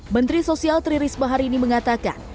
menteri sosial tri risma hari ini mengatakan